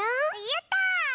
やった！